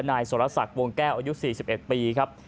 นายสุรศักดิ์วงแก้วอายุ๔๑ปีครับ